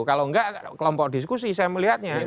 kalau enggak kelompok diskusi saya melihatnya